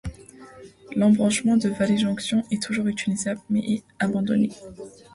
L'embranchement de Vallée-Jonction est toujours utilisable mais est abandonné.